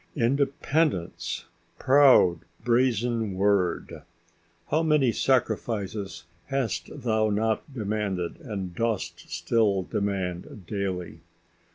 Independence! Proud, brazen word! How many sacrifices hast thou not demanded and dost still demand daily!